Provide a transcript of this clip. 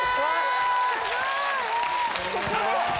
・すごい！